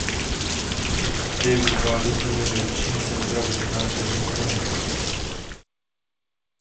Ty vytvářejí kondenzační centra vhodná pro vznik mlhy.